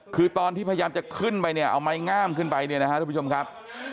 คือตอนที่พยายามจะขึ้นไปเนี่ยเอาไม้งามขึ้นไปเนี่ยนะครับทุกผู้ชมครับ